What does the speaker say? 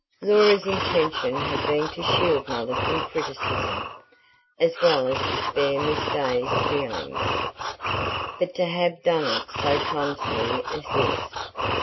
Laura's intention had been to shield Mother from criticism, as well as to spare Miss Day's feelings. But to have done it so clumsily as this!